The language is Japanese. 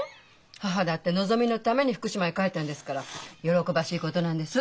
母だってのぞみのために福島へ帰ったんですから喜ばしいことなんです。